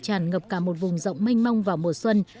tràn ngập cả một vùng rộng manh mông vào mùa xuân